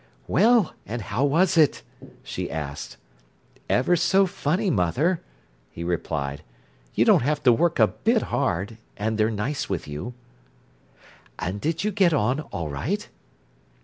"Well, and how was it?" she asked. "Ever so funny, mother," he replied. "You don't have to work a bit hard, and they're nice with you." "And did you get on all right?"